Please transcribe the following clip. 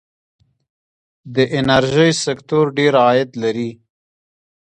د انرژۍ سکتور ډیر عاید لري.